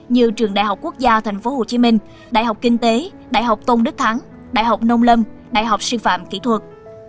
như trường đại học quốc gia tp hcm đại học kinh tế đại học tôn đức thắng đại học nông lâm đại học sư phạm kỹ thuật